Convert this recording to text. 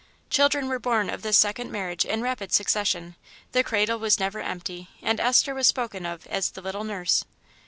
Children were born of this second marriage in rapid succession, the cradle was never empty, and Esther was spoken of as the little nurse.